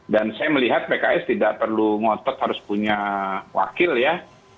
dan saya melihat pks tidak perlu ngotot harus punya wakil ya